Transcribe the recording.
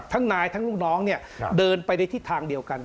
ทั้งนายทั้งลูกน้องเนี่ยเดินไปในทิศทางเดียวกัน